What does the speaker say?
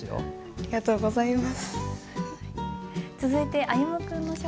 ありがとうございます。